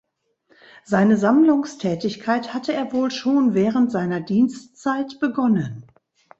Seine Sammlungstätigkeit hatte er wohl schon während seiner Dienstzeit begonnen.